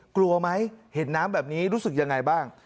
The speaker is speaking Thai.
กลัวไหมเห็นน้ำแบบนี้รู้สึกยังไงบ้าง